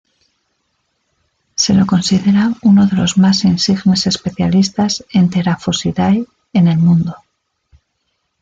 Se lo considera uno de los más insignes especialistas en Theraphosidae en el mundo.